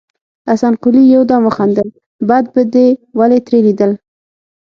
حسن قلي يودم وخندل: بد به دې ولې ترې ليدل.